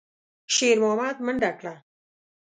شېرمحمد منډه کړه.